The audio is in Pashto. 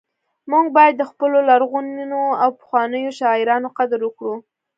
موږ باید د خپلو لرغونو او پخوانیو شاعرانو قدر وکړو